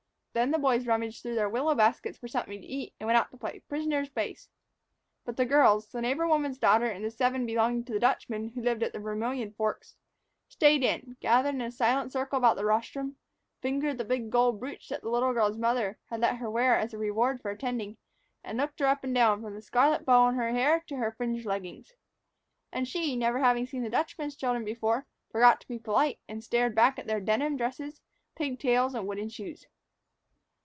Then the boys rummaged through their willow baskets for something to eat and went out to play "prisoner's base." But the girls the neighbor woman's daughter, and the seven belonging to the Dutchman who lived at the Vermillion's forks stayed in, gathered in a silent circle about the rostrum, fingered the big gold brooch that the little girl's mother had let her wear as a reward for attending, and looked her up and down, from the scarlet bow on her hair to her fringed leggings. And she, never having seen the Dutchman's children before, forgot to be polite, and stared back at their denim dresses, pigtails, and wooden shoes.